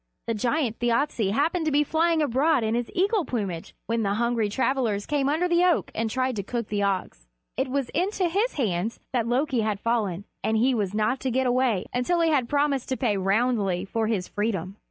The giant Thjasse happened to be flying abroad in his eagle plumage when the hungry travelers came under the oak and tried to cook the ox. It was into his hands that Loki had fallen, and he was not to get away until he had promised to pay roundly for his freedom.